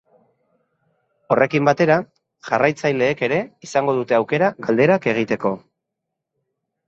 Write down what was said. Horrekin batera, jarraitzaileek ere izango dute aukera galderak egiteko.